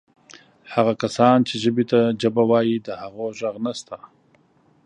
هغه کسان چې ژبې ته جبه وایي د هغو ږغ هم نسته.